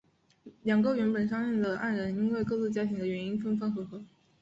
两个原本相恋的爱人因为各自家庭的原因分分合合。